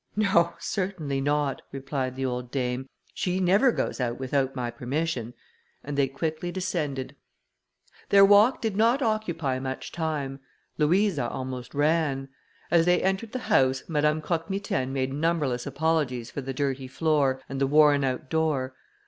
"No! certainly not," replied the old dame, "she never goes out without my permission;" and they quickly descended. Their walk did not occupy much time. Louisa almost ran. As they entered the house, Madame Croque Mitaine made numberless apologies for the dirty floor, and the worn out door.